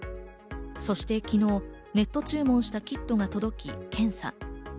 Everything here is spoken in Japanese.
そして昨日、ネット注文したキットが届き検査。